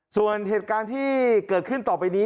ส่วนเหตุการณ์ที่เกิดขึ้นต่อไปนี้